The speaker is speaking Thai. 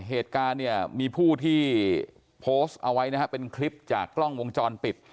เหตุการณ์เนี่ยมีผู้ที่โพสต์เอาไว้นะฮะเป็นคลิปจากกล้องวงจรปิด